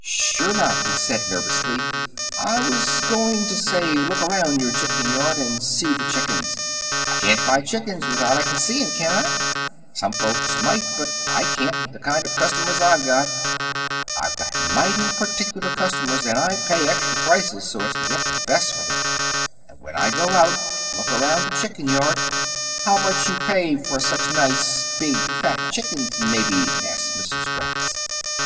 "Sure not," he said nervously. "I was goin' to say look around your chicken yard and see the chickens. I can't buy chickens without I see them, can I? Some folks might, but I can't with the kind of customers I've got. I've got mighty particular customers, and I pay extra prices so as to get the best for them, and when I go out and look around the chicken yard " "How much you pay for such nice, big, fat chickens, mebby?" asked Mrs. Gratz.